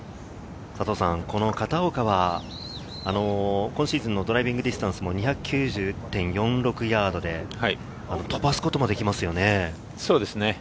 この片岡は、今シーズンのドライビングディスタンスも２９０．４６ヤードで飛ばすこともできますよね。